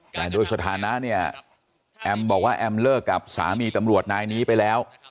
แต่โดยสถานะเนี่ยแอมบอกว่าแอมเลิกกับสามีตำรวจนายนี้ไปแล้ว